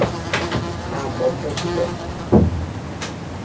হ্যাঁ, বড্ড ছোট।